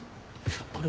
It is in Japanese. あれ？